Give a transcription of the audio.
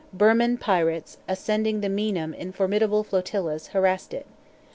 Birman pirates, ascending the Meinam in formidable flotillas, harassed it.